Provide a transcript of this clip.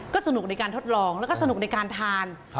ก็สนุกในการทดลองแล้วก็สนุกในการทาน